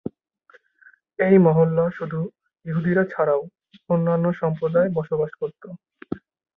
এই মহল্লা শুধু ইহুদিরা ছাড়াও অন্যান্য সম্প্রদায় বসবাস করত।